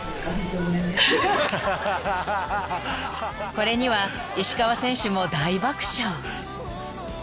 ［これには石川選手も大爆笑］